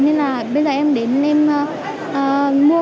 nên là bây giờ em đến em mua